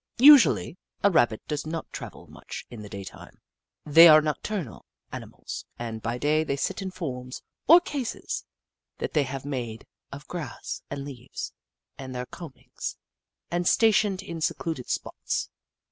Usually, a Rabbit does not travel much in the daytime. They are nocturnal animals and by day they sit in forms, or cases, that they have made of grass and leaves and their comb ings and stationed in secluded spots.